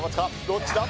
どっちだ？